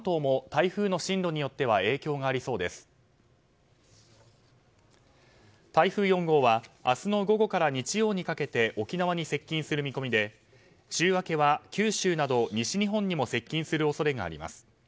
台風４号は明日の午後から日曜にかけて沖縄に接近する見込みで週明けは九州など西日本にも接近する恐れがあります。